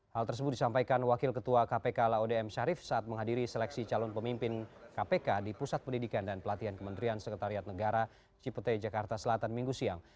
hal tersebut disampaikan wakil ketua kpk laude m syarif saat menghadiri seleksi calon pemimpin kpk di pusat pendidikan dan pelatihan kementerian sekretariat negara cipete jakarta selatan minggu siang